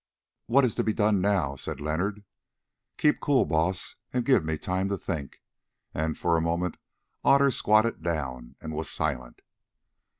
"What is to be done now?" said Leonard. "Keep cool, Baas, and give me time to think," and for a moment Otter squatted down and was silent.